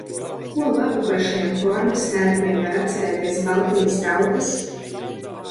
Ko labu par šiem formas tērpiem var atcerēties Baltijas tautas?